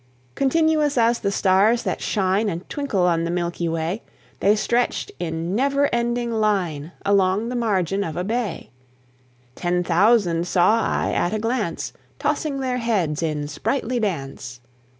Continuous as the stars that shine And twinkle on the milky way, They stretched in never ending line Along the margin of a bay; Ten thousand saw I at a glance, Tossing their heads in sprightly dance.